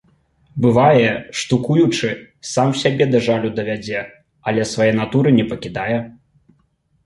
Бывае, штукуючы, сам сябе да жалю давядзе, але свае натуры не пакідае.